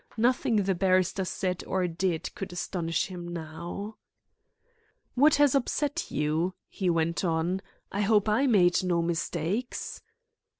Nothing the barrister said or did could astonish him now. "What has upset you?" he went on. "I hope I made no mistakes."